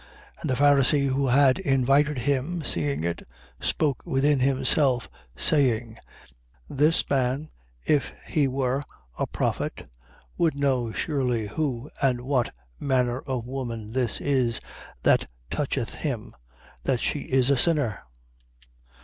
7:39. And the Pharisee, who had invited him, seeing it, spoke within himself, saying: This man, if he were if a prophet, would know surely who and what manner of woman this is that toucheth him, that she is a sinner.